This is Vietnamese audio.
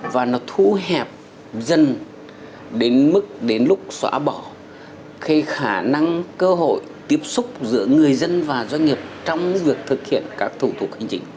và nó thu hẹp dần đến mức đến lúc xóa bỏ cái khả năng cơ hội tiếp xúc giữa người dân và doanh nghiệp trong việc thực hiện các thủ tục hành chính